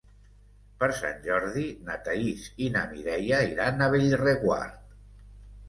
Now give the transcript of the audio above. Per Sant Jordi na Thaís i na Mireia iran a Bellreguard.